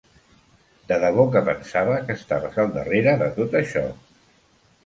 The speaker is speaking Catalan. De debò que pensava que estaves al darrere de tot això.